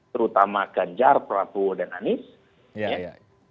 terutama ganjar prabowo dan anies